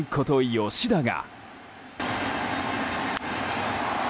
吉田が。